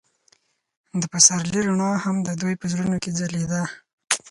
د پسرلی رڼا هم د دوی په زړونو کې ځلېده.